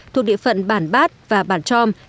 thuộc địa phận bản bát và bản trom